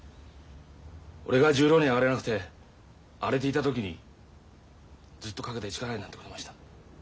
俺が十両に上がれなくて荒れていた時にずっと陰で力になってくれました。